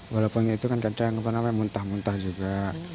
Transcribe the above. walaupun itu kan kadang muntah muntah juga